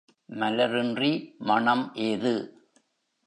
மலர் இன்றி மணம் ஏது?